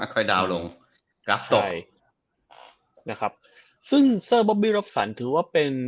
อ่าค่อยดาวน์ลงใช่นะครับซึ่งสเตอร์บอบบี้รับสรรค์ถือว่าเป็น